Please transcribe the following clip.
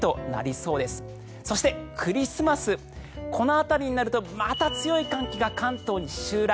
そして、クリスマスこの辺りになるとまた強い寒気が関東に襲来。